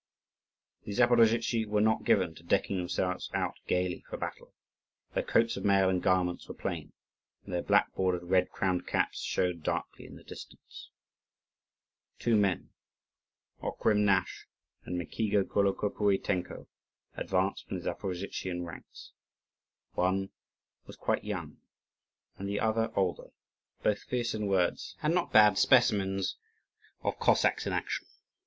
The Zaporozhtzi were not given to decking themselves out gaily for battle: their coats of mail and garments were plain, and their black bordered red crowned caps showed darkly in the distance. Two men Okhrim Nasch and Mikiga Golokopuitenko advanced from the Zaporozhian ranks. One was quite young, the other older; both fierce in words, and not bad specimens of Cossacks in action.